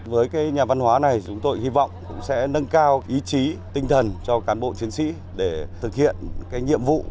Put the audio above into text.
với nhà văn hóa này chúng tôi hy vọng sẽ nâng cao ý chí tinh thần cho cán bộ chiến sĩ để thực hiện nhiệm vụ